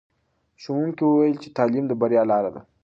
ښوونکي وویل چې تعلیم د بریا لاره ده.